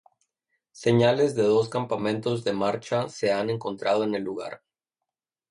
Señales de dos campamentos de marcha se han encontrado en el lugar.